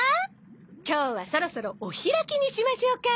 今日はそろそろお開きにしましょうか。